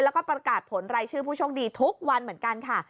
แล้วก็ประกาศผลรายชื่อผู้โชคดีทุกวันเหมือนกันค่ะ